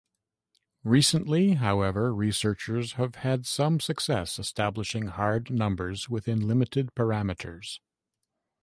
Recently, however, researchers have had some success establishing hard numbers within limited parameters.